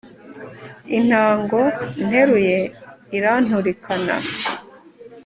intango nteruye iranturikana